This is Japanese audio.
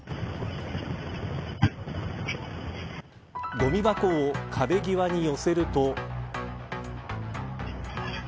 ごみ箱を壁際に寄せると。